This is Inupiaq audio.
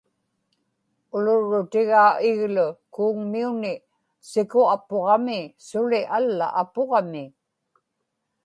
ulurrutigaa iglu kuuŋmiuni siku apuġami suli alla apuġami